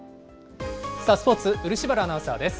スポーツ、漆原アナウンサーです。